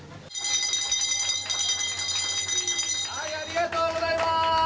ありがとうございます！